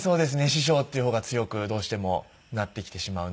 師匠っていう方が強くどうしてもなってきてしまうなとは思うんですけども。